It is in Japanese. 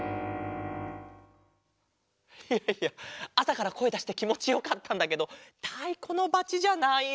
いやいやあさからこえだしてきもちよかったんだけどたいこのばちじゃないよ。